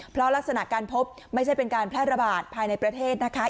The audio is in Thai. เพราะลักษณะการพบไม่ใช่เป็นการแพร่ระบาดภายในประเทศนะคะ